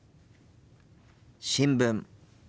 新聞。